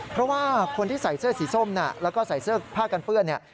เพราะว่าคนที่ใส่เสื้อสีส้มแล้วก็ใส่เสื้อผ้ากันเปื้อนเนี่ย